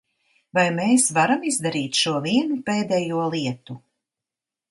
Vai mēs varam izdarīt šo vienu pēdējo lietu?